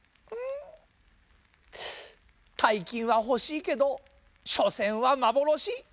たいきんはほしいけどしょせんはまぼろし。